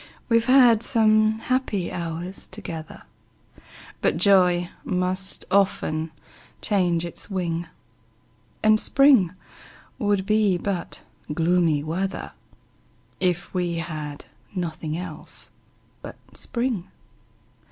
We've had some happy hours together, But joy must often change its wing; And spring would be but gloomy weather, If we had nothing else but spring.